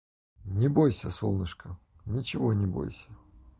Не бойся солнышко, ничего не бойся.